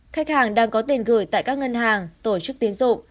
khách hàng đang có tiền gửi tại các ngân hàng tổ chức tiến dụng